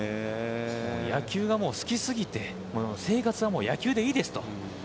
野球が好き過ぎて生活は野球でいいですと。